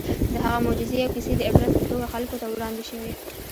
د هغه معجزې او کیسې د عبرت په توګه خلکو ته وړاندې شوي.